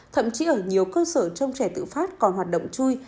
thậm chí ở nhiều cơ sở trong trẻ tự phát còn hoạt động chui